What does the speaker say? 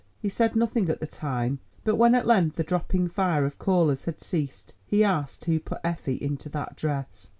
He said nothing at the time, but when at length the dropping fire of callers had ceased, he asked who put Effie into that dress.